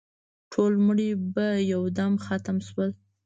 ټول مړي په یو دم ختم شول.